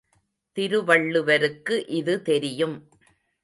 திருவள்ளுவருக்கு இது தெரியும்.